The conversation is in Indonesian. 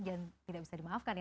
jangan tidak bisa di maafkan ya